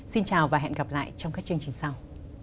xin chào và hẹn gặp lại trong các chương trình sau